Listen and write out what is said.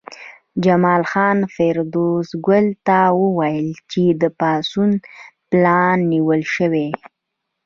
جمال خان فریدګل ته وویل چې د پاڅون پلان نیول شوی